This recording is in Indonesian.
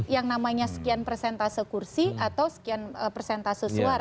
yang namanya sekian persentase kursi atau sekian persentase suara